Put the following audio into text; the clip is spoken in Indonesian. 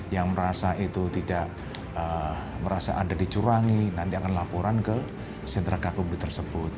yang merasa itu tidak merasa ada dicurangi nanti akan laporan ke sentra gakumdu tersebut